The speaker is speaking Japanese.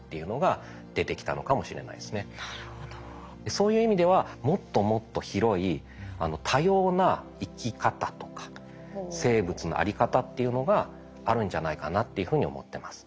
そういう意味ではもっともっと広い多様な生き方とか生物のあり方っていうのがあるんじゃないかなっていうふうに思ってます。